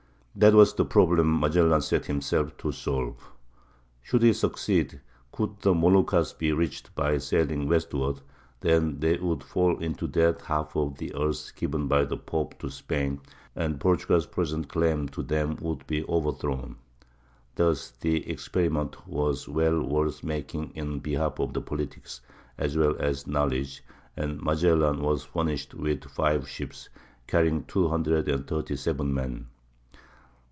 That was the problem Magellan set himself to solve. Should he succeed, could the Moluccas be reached by sailing westward, then they would fall into that half of the earth given by the Pope to Spain, and Portugal's present claim to them would be overthrown. Thus the experiment was well worth making in behalf of politics as well as knowledge, and Magellan was furnished with five ships, carrying two hundred and thirty seven men.